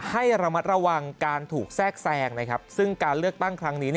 ให้ระมัดระวังการถูกแทรกแทรงซึ่งการเลือกตั้งครั้งนี้